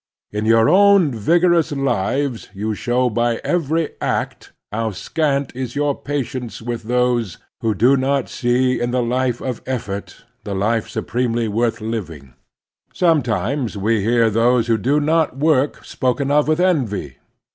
In your own vigorous lives you show by every act how scant is your patience with those who do not see in the life of effort the life supremely worth living. Sometimes we hear those who do not work spoken of with envy.